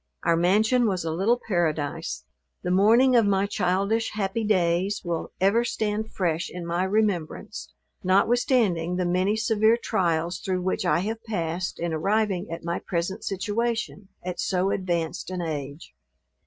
Our mansion was a little paradise. The morning of my childish, happy days, will ever stand fresh in my remembrance, notwithstanding the many severe trials through which I have passed, in arriving at my present situation, at so advanced an age.